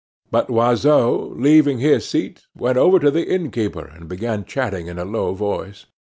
But Loiseau, leaving his seat, went over to the innkeeper and began chatting in a low voice.